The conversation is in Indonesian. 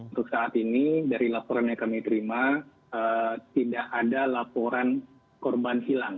untuk saat ini dari laporan yang kami terima tidak ada laporan korban hilang